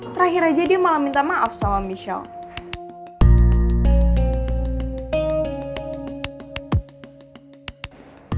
terakhir aja dia malah minta maaf sama michelle